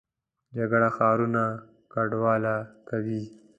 جګړه ښارونه کنډواله کوي